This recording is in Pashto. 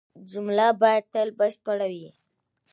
جمله باید تل بشپړه يي.